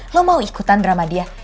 lo mau ikutan drama dia